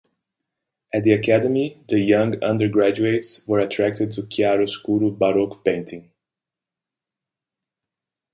At the Academy the young undergraduates were attracted to chiaroscuro Baroque painting.